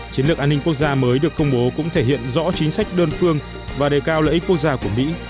chiến lược an ninh quốc gia mới được công bố cũng thể hiện rõ chính sách đơn phương và đề cao lợi ích quốc gia của mỹ